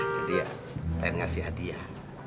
jadi ya pengen ngasih hadiah